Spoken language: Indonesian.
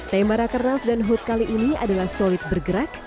tema rakernas dan hut kali ini adalah solid bergerak